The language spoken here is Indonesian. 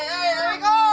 sepi banget ya